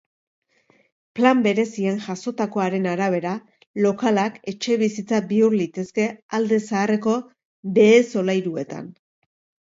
Plan berezian jasotakoaren arabera lokalak etxebizitza bihur litezke alde zaharreko behe solairuetan.